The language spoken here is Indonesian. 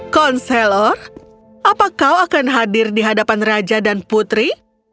konselor apa kau akan hadir di hadapan raja dan putri